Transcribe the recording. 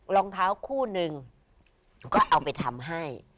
รองเท้าคู่นึงก็เอาไปทำให้